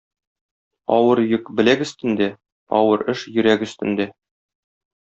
Авыр йөк беләк өстендә, авыр эш йөрәк өстендә.